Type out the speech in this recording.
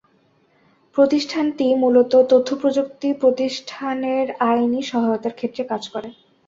প্রতিষ্ঠানটি মূলত তথ্যপ্রযুক্তি প্রতিষ্ঠানের আইনি সহায়তার ক্ষেত্রে কাজ করে।